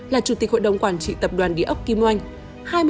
là chủ tịch hội đồng quản trị tập đoàn địa ốc kim oanh